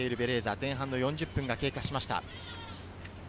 前半４０分が経過しました。